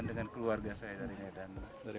dengan keluarga saya dari medan